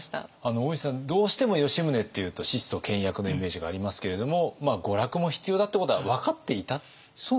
大石さんどうしても吉宗っていうと質素倹約のイメージがありますけれども娯楽も必要だってことは分かっていたんですか？